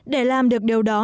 để làm được điều đó